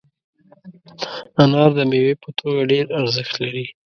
انار د میوې په توګه ډېر ارزښت لري.